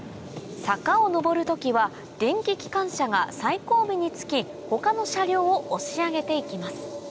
坂を上る時は電気機関車が最後尾に付き他の車両を押し上げて行きます